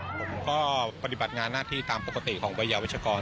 ผมก็ปฏิบัติงานหน้าที่ตามปกติของวัยยาวัชกร